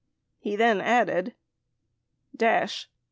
He then added : Dash.